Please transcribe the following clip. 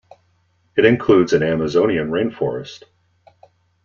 It includes an Amazonian rainforest.